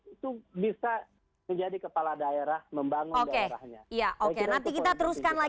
itu bisa menjadi kepala daerah membangun daerahnya